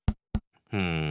うん。